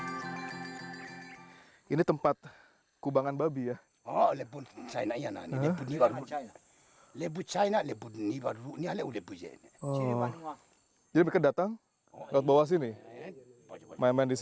lihat lebih jauh ke dalam hutan pulau siberuk